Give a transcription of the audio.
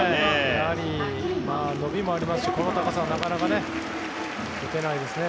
やはり伸びもありますしこの高さはなかなか打てないですね。